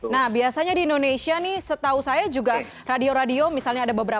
nah biasanya di indonesia nih setahu saya juga radio radio misalnya ada beberapa